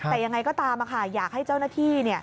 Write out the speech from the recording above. แต่ยังไงก็ตามอยากให้เจ้าหน้าที่